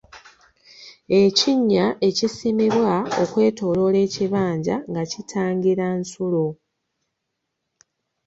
Ekinnya ekisimibwa okwetooloola ekibanja nga kitangira nsolo.